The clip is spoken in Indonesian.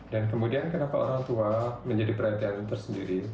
dan kemudian kenapa orang tua menjadi perantian tersendiri